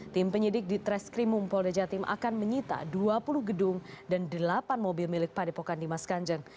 tim penyidik di treskrimum polda jatim akan menyita dua puluh gedung dan delapan mobil milik padepokan dimas kanjeng